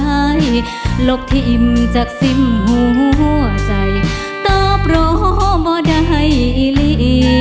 หลบที่อิ่มจากสิ้มหัวใจตอบรอบได้อีหลี